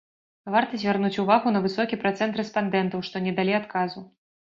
Варта звярнуць увагу на высокі працэнт рэспандэнтаў, што не далі адказу.